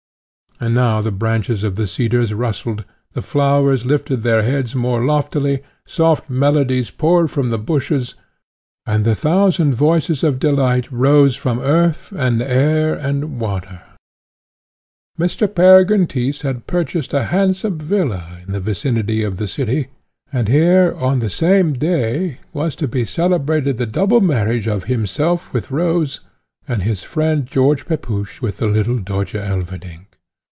And now the branches of the cedars rustled, the flowers lifted their heads more loftily, soft melodies poured from the bushes, and the thousand voices of delight rose from earth, and air, and water. Mr. Peregrine Tyss had purchased a handsome villa, in the vicinity of the city, and here, on the same day, was to be celebrated the double marriage of himself with Rose, and his friend George Pepusch with the little Dörtje Elverdink.